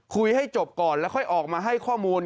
ให้จบก่อนแล้วค่อยออกมาให้ข้อมูล